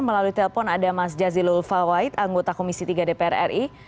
melalui telpon ada mas jazilul fawait anggota komisi tiga dpr ri